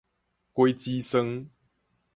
果子酸